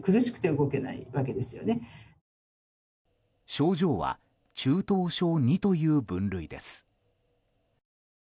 症状は中等症２という分類です。